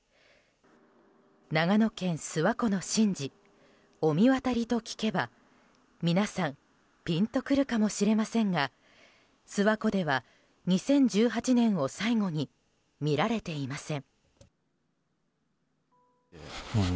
長野県諏訪湖の神事御神渡りと聞けば皆さんピンとくるかもしれませんが諏訪湖では２０１８年を最後に見られていません。